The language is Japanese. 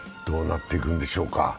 どうなっていくんでしょうか。